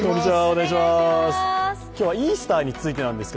今日はイースターについてです。